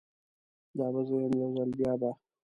دا به زه یم، یو ځل بیا به